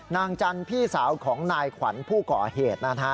นางจันทร์พี่สาวของนายขวัญผู้ก่อเหตุนะฮะ